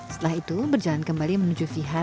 setelah itu berjalan kembali ke tempat yang lebih luas